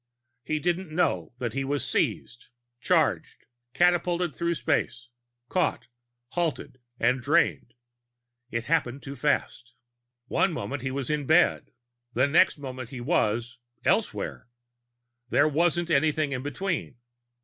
He didn't know that he was seized, charged, catapulted through space, caught, halted and drained. It happened too fast. One moment he was in his bed; the next moment he was elsewhere. There wasn't anything in between.